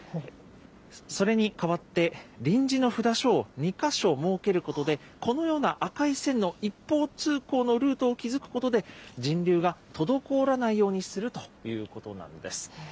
それに代わって、臨時の札所を２か所設けることで、このような赤い線の一方通行のルートを築くことで、人流が滞らないようにするということなんです。